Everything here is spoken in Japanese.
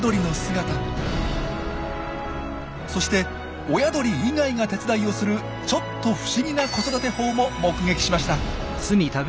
そして親鳥以外が手伝いをするちょっと不思議な子育て法も目撃しました。